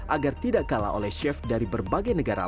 agar tidak kalah oleh chef dari berbagai negara